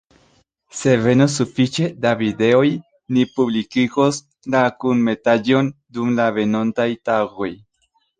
Se venos sufiĉe da videoj, ni publikigos la kunmetaĵon dum la venontaj tagoj.